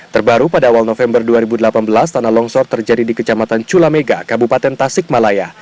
terbaru pada awal november dua ribu delapan belas tanah longsor terjadi di kecamatan culamega kabupaten tasikmalaya